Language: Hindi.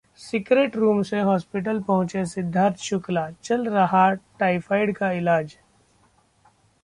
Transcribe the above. सीक्रेट रूम से हॉस्पिटल पहुंचे सिद्धार्थ शुक्ला, चल रहा टाइफाइड का इलाज